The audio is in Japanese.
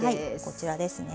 こちらですね。